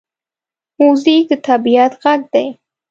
موزیک د طبعیت غږ دی.